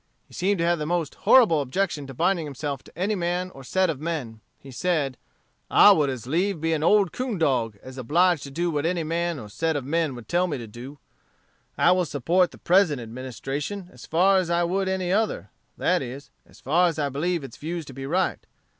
He seemed to have the most horrible objection to binding himself to any man or set of men. He said, 'I would as lieve be an old coon dog as obliged to do what any man or set of men would tell me to do. I will support the present Administration as far as I would any other; that is, as far as I believe its views to be right.